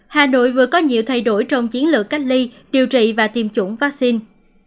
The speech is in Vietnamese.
hà nội vừa có nhiều thay đổi trong chiến lược cách ly điều trị và tiêm chủng vaccine